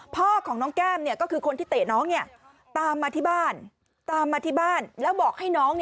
พ่อของน้องแก้มก็คือคนที่เตะน้อง